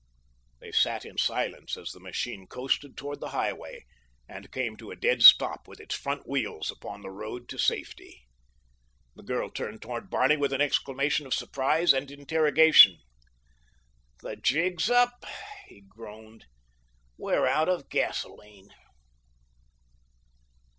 They sat in silence as the machine coasted toward the highway and came to a dead stop, with its front wheels upon the road to safety. The girl turned toward Barney with an exclamation of surprise and interrogation. "The jig's up," he groaned; "we're out of gasoline!"